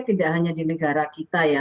tidak hanya di negara kita ya